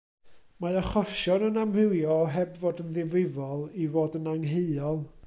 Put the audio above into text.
Mae achosion yn amrywio o heb fod yn ddifrifol i fod yn angheuol.